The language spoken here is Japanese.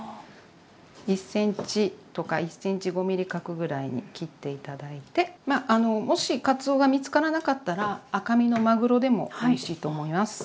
１ｃｍとか１ｃｍ５ｍｍ角ぐらいに切って頂いてまあもしかつおが見つからなかったら赤身のまぐろでもおいしいと思います。